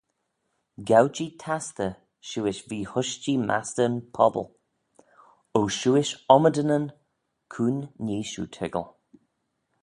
Gow-jee tastey, shiuish vee-hushtee mastey'n pobble: O shiuish ommydanyn, cuin nee shiu toiggal?